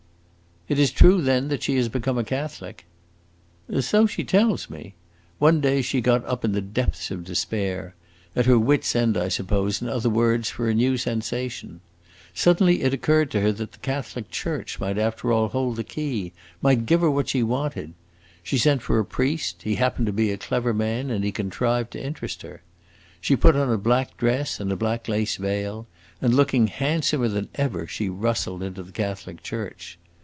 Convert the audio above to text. "It is true, then, that she has become a Catholic?" "So she tells me. One day she got up in the depths of despair; at her wit's end, I suppose, in other words, for a new sensation. Suddenly it occurred to her that the Catholic church might after all hold the key, might give her what she wanted! She sent for a priest; he happened to be a clever man, and he contrived to interest her. She put on a black dress and a black lace veil, and looking handsomer than ever she rustled into the Catholic church.